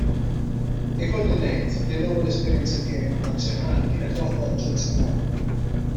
Ikolli ngħid, li l-ewwel esperjenza tiegħi man-nazzjonal kienet waħda eċċezzjonali.